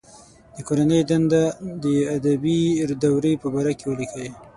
د کورنۍ دنده د ادبي دورې په باره کې ولیکئ.